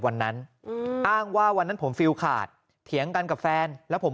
วันนั้นอืมอ้างว่าวันนั้นผมฟิลขาดเถียงกันกับแฟนแล้วผม